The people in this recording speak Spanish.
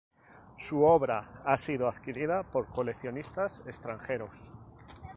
Su obra ha sido adquirida por coleccionistas extranjeros.